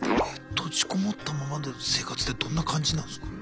閉じこもったままの生活ってどんな感じなんですか？